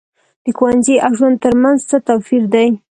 د ښوونځي او ژوند تر منځ څه توپیر دی.